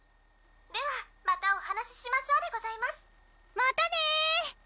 「ではまたお話ししましょうでございます」またね！